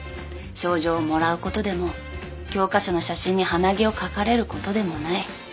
賞状をもらうことでも教科書の写真に鼻毛を描かれることでもない。